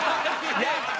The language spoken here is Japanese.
やった！